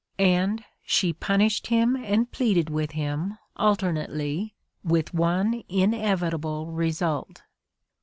And she "punished him and pleaded with him, alternately" — with one inevitable result.